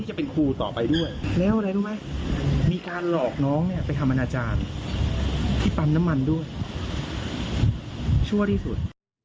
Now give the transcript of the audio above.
ชั่วที่สุด